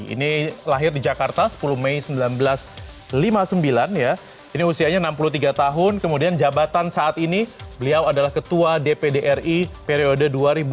ini lahir di jakarta sepuluh mei seribu sembilan ratus lima puluh sembilan ini usianya enam puluh tiga tahun kemudian jabatan saat ini beliau adalah ketua dpdri periode dua ribu sembilan belas dua ribu dua puluh empat